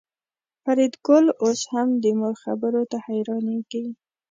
فریدګل اوس هم د مور خبرو ته حیرانېږي